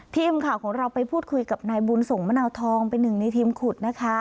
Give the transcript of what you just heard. ทีมข่าวของเราไปพูดคุยกับนายบุญส่งมะนาวทองเป็นหนึ่งในทีมขุดนะคะ